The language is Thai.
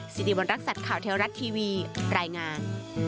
สิริวัณรักษัตริย์ข่าวเทวรัฐทีวีรายงาน